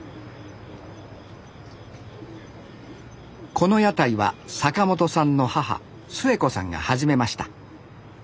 この屋台は坂本さんの母スエコさんが始めました。